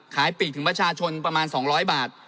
ขายปีกถึงประชาชนประมาณสองร้อยบาท